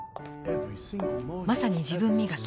まさに自分磨き。